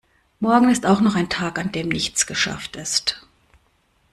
Morgen ist auch noch ein Tag an dem nichts geschafft ist.